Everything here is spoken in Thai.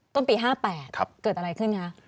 ต้นปี๕๘เกิดอะไรขึ้นคะ